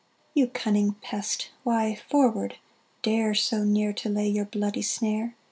You cunning pest! why, forward, dare So near to lay your bloody snare!